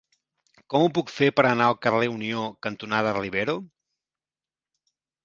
Com ho puc fer per anar al carrer Unió cantonada Rivero?